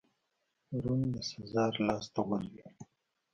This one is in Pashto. روم د سزار لاسته ولوېد.